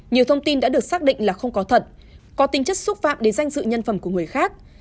nhiều thông tin đã được xác định là không có thật có tính chất xúc phạm đến danh dự nhân phẩm của người khác